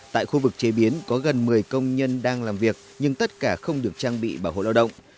tại khu vực chế biến có gần một mươi công nhân đang làm việc nhưng tất cả không được trang bị bảo hộ lao động